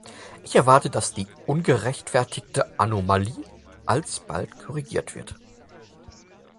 Ich erwarte, dass die "ungerechtfertigte Anomalie" alsbald korrigiert wird.